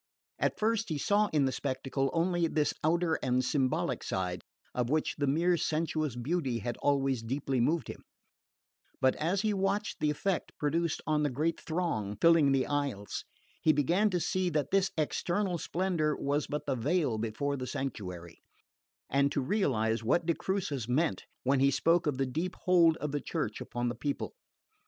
At first he saw in the spectacle only this outer and symbolic side, of which the mere sensuous beauty had always deeply moved him; but as he watched the effect produced on the great throng filling the aisles, he began to see that this external splendour was but the veil before the sanctuary, and to realise what de Crucis meant when he spoke of the deep hold of the Church upon the people.